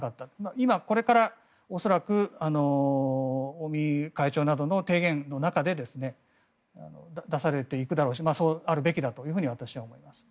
今、これから恐らく尾身会長などの提言の中で出されていくだろうしそうあるべきだと私は思います。